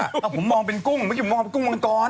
ผมมองเป็นกุ้งเมื่อกี้มองเป็นกุมมังกร